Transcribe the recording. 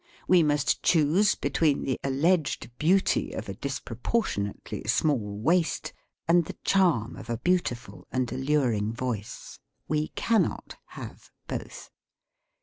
We must choose between the al leged beauty of a disproportionately small waist and the charm of a beautiful and al luring voice. We cannot have both.